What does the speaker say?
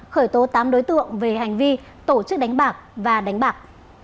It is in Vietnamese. khởi tố tám đối tượng về hành vi tổ chức đánh bạc và đánh bạc